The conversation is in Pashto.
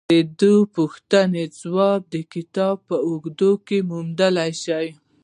د دې پوښتنې ځواب د کتاب په اوږدو کې موندلای شئ